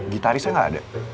gitarisnya gak ada